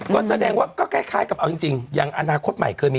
ก็แสดงว่าก็คล้ายกับเอาจริงอย่างอนาคตใหม่เคยมี